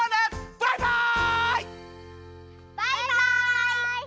バイバイ！